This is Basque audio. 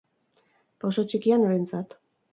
Pauso txikia, norentzat?